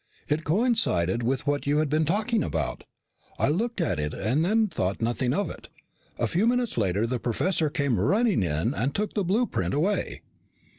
It coincided with what you had been talking about. I looked at it and then thought nothing of it. A few minutes later the professor came running in and took the blueprint away."